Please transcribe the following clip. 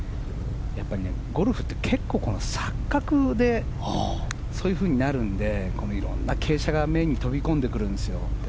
ゴルフって結構、錯覚でそういうふうになるので色んな傾斜が目に飛び込んでるんですよ。